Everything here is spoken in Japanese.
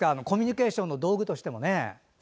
コミュニケーションの道具としてもね。